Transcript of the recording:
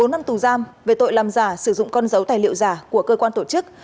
bốn năm tù giam về tội làm giả sử dụng con dấu tài liệu giả của cơ quan tổ chức